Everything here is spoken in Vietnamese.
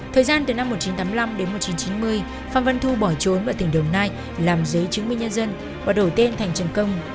thời gian từ năm một nghìn chín trăm tám mươi năm đến một nghìn chín trăm chín mươi phan văn thu bỏ trốn ở tỉnh đồng nai làm giấy chứng minh nhân dân và đổi tên thành trần công